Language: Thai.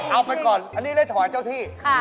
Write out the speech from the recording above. เอาไปก่อนอันนี้เลยถอนเจ้าที่